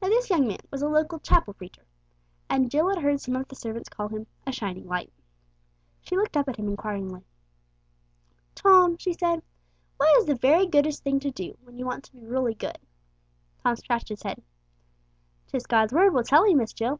Now this young man was a local chapel preacher, and Jill had heard some of the servants call him "a shining light." She looked up at him inquiringly. "Tom," she said, "what is the very goodest thing to do when you want to be really good?" Tom scratched his head. "'Tis God's Word will tell 'ee, Miss Jill.